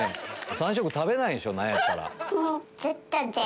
３食食べないんでしょ何やったら。